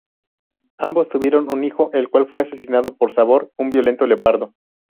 Ambos tuvieron un hijo el cual fue asesinado por Sabor, un violento leopardo.